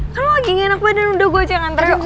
kan lo lagi gak enak badan udah gue aja yang ntar yuk